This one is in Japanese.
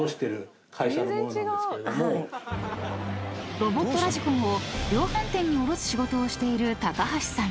［ロボットラジコンを量販店に卸す仕事をしている高橋さん］